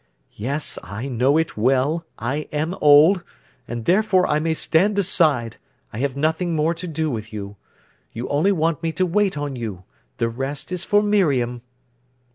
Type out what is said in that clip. "Yes, I know it well—I am old. And therefore I may stand aside; I have nothing more to do with you. You only want me to wait on you—the rest is for Miriam."